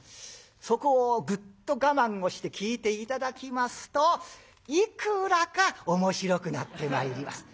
そこをグッと我慢をして聴いて頂きますといくらか面白くなってまいります。